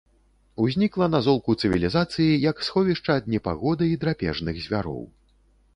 Узнікла на золку цывілізацыі як сховішча ад непагоды і драпежных звяроў.